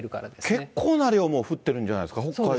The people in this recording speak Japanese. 結構な量、もう降ってるんじゃないですか、北海道は。